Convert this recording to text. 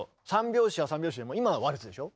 ３拍子は３拍子でも今のはワルツでしょ。